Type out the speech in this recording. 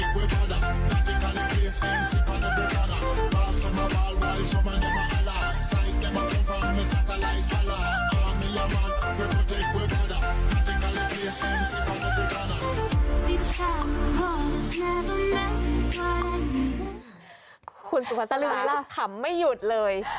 คุณสุภาษาเล่าขำไม่หยุดเลย